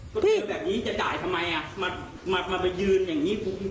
ประเทศแบบนี้จะจ่ายทำไมอ่ะมาไปยืนอย่างนี้